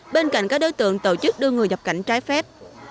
bên cạnh các đối tượng tổ chức đưa người nhập cảnh trái phép